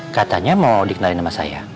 katanya mau dikenali nama saya